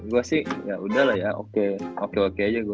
gue sih yaudah lah ya oke oke oke aja gue